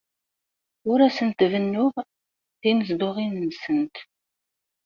Ur asent-bennuɣ tinezduɣin-nsent.